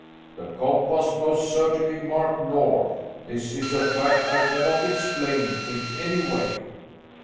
The compass most certainly marked north. This is a fact I cannot explain in any way."